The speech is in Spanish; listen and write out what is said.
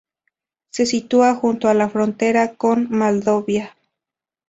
Se sitúa junto a la frontera con Moldavia.